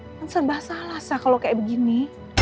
kan serba salah sa kalau kayak begini